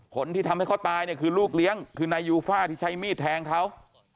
คนที่ทำให้เขาตายเนี่ยคือลูกเลี้ยงคือนายยูฟ่าที่ใช้มีดแทงเขา